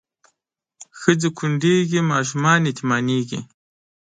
ښځې کونډېږي ماشومان یتیمانېږي